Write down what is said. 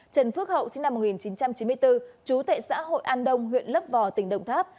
trần phước hậu sinh năm một nghìn chín trăm chín mươi bốn chú tệ xã hội an đông huyện lấp vò tỉnh đồng tháp